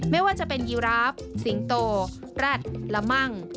ไม่ว่าจะเป็นยีราฟสิงโตแร็ดละมั่ง